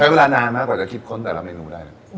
เวลานานมากกว่าจะคิดค้นแต่ละเมนูได้เลย